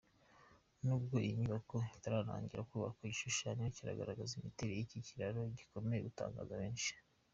Nubwo iyi nyubako itaratangira kubakwa, igishushanyo kigaragaza imitere y’iki kiraro ikomeje gutangaza benshi.